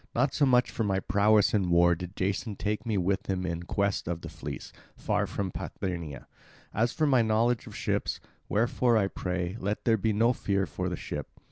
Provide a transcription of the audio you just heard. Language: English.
Not so much for my prowess in war did Jason take me with him in quest of the fleece, far from Parthenia, as for my knowledge of ships. Wherefore, I pray, let there be no fear for the ship.